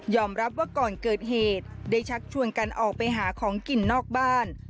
รับว่าก่อนเกิดเหตุได้ชักชวนกันออกไปหาของกินนอกบ้าน